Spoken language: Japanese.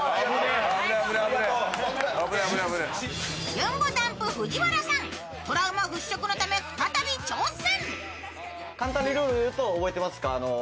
ゆんぼだんぷ藤原さんトラウマ払拭のため再び挑戦。